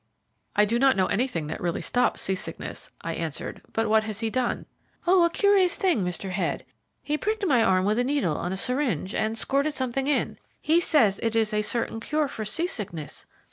"I do not know anything that really stops sea sickness," I answered; "but what has he done?" "Oh: a curious thing, Mr. Head. He pricked my arm with a needle on a syringe, and squirted something in. He says it is a certain cure for sea sickness.